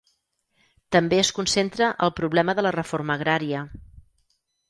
També es concentra al problema de la reforma agrària.